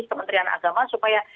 kementerian agama supaya